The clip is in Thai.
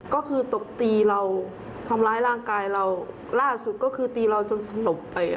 ก็คือตบตีเราทำร้ายร่างกายเราล่าสุดก็คือตีเราจนสลบไป